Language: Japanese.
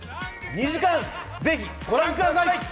２時間、ぜひご覧ください。